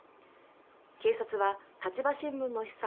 警察は「立場新聞」の資産